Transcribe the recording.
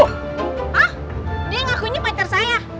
ah dia ngakuinnya pacar saya